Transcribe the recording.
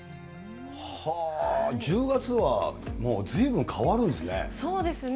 １０月はもう、ずいぶん変わそうですね。